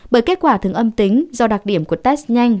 bởi kết quả thường âm tính do đặc điểm của test nhanh